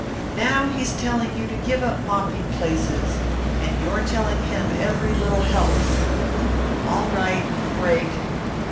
Now he's telling you to give up mopping places, and you're telling him every little helps. "All right, break.